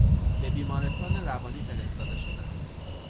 به بیمارستان روانی فرستاده شدن